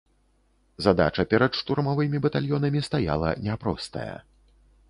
Задача перад штурмавымі батальёнамі стаяла няпростая.